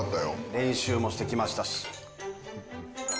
練習もしてきましたし。